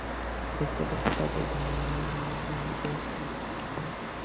দেখতে দেখতে তাকে ঘিরে ভিড় জমে গেল।